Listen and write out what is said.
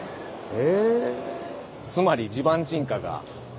へえ。